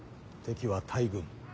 敵は大軍。